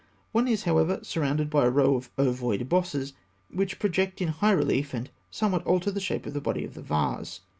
One is, however, surrounded by a row of ovoid bosses (fig. 286), which project in high relief, and somewhat alter the shape of the body of the vase.